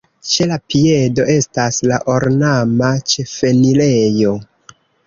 Ĉe la piedo estas la ornama ĉefenirejo.